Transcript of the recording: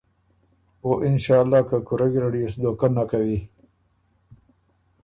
او اِنشأاللّٰه که کُورۀ ګیرډ يې سو دهوکۀ نک کوی۔